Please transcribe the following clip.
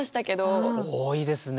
多いですね。